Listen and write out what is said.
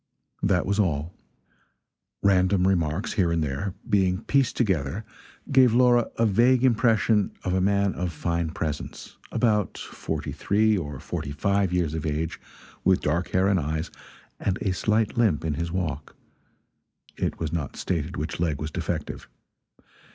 That was all. Random remarks here and there, being pieced together gave Laura a vague impression of a man of fine presence, about forty three or forty five years of age, with dark hair and eyes, and a slight limp in his walk it was not stated which leg was defective.